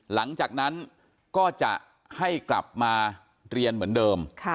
หลังจากนั้นก็จะให้กลับมาเรียนเหมือนเดิม